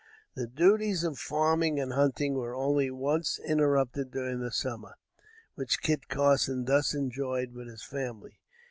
The duties of farming and hunting were only once interrupted during the summer which Kit Carson thus enjoyed with his family.